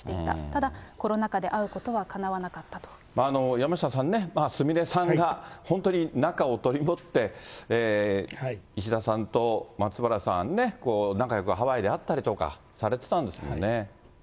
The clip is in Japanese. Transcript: ただ、コロナ禍で会うことはかな山下さんね、すみれさんが本当に仲をとりもって、石田さんと松原さんね、仲よくハワイで会ったりとかされてたんですもんね。